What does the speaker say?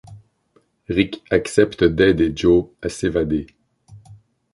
Rick accepte d'aider Joe à s'évader.